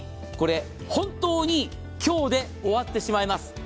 これ本当に今日で終わってしまいます。